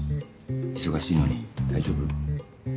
忙しいのに大丈夫？